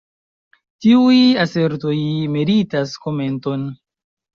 Tiuj asertoj meritas komenton.